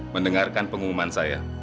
mendengarkan pengumuman saya